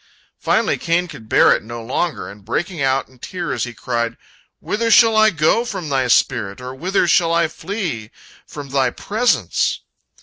Finally Cain could bear it no longer, and, breaking out in tears, he cried: "Whither shall I go from Thy spirit? Or whither shall I flee from Thy presence?"